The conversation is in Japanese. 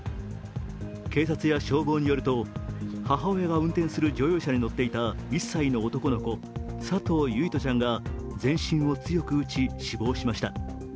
警察や消防によると、母親が運転する乗用車に乗っていた１歳の男の子、佐藤唯叶ちゃんが全身を強く打ち死亡しました。